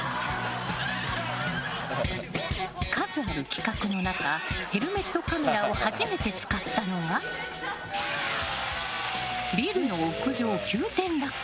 数ある企画の中ヘルメットカメラを初めて使ったのがビルの屋上急転落下！